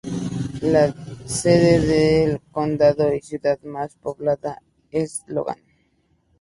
La sede del condado y ciudad más poblada es Logan.